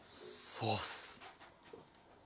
ソース。